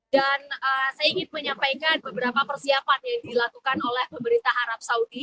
dan saya ingin menyampaikan beberapa persiapan yang dilakukan oleh pemerintah arab saudi